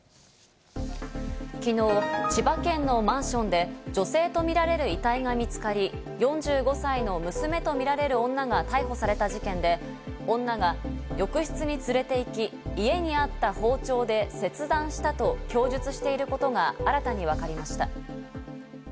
きのう、千葉県のマンションで女性とみられる遺体が見つかり、４５歳の娘とみられる女が逮捕された事件で、女が浴室に連れて行き、家にあった包丁で切断したと供述していることが新たにわかりました。